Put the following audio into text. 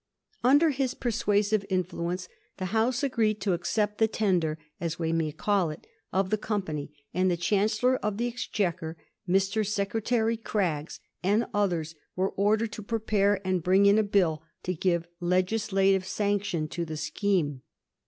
Under his persuasive influence the House agreed to accept the tender, as we may call it, of the Company, and the Chancellor of the Exchequer, Mr. Secretary Craggs, and others, were ordered to prepare and bring in a Bill to give legislative sanction to the scheme.